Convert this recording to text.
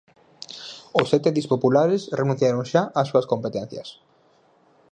Os sete edís populares renunciaron xa ás súas competencias.